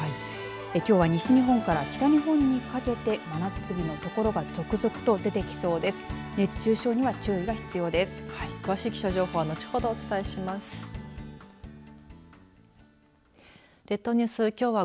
きょうは西日本から北日本にかけて真夏日の所が続々と出てきそうです。